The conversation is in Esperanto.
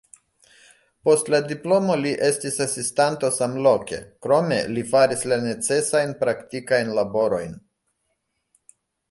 Post la diplomo li estis asistanto samloke, krome li faris la necesajn praktikajn laborojn.